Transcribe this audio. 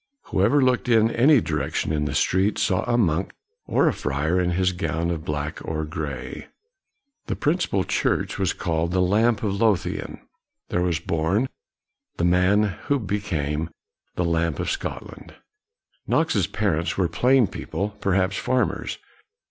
Whoever looked in any direc tion in the streets saw a monk or a friar in his gown of black or gray. The prin cipal church was called the " Lamp of Lothian." There was born the man who became the Lamp of Scotland. Knox's parents were plain people, per haps farmers.